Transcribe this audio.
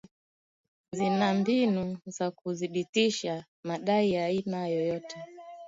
zina mbinu za kuthibitisha madai ya aina yoyote